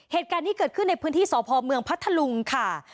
เหตุการณ์นี้เกิดขึ้นในพื้นที่สพเมืองพัทธลุงค่ะ